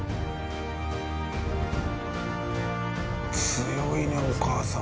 強いねお母さん。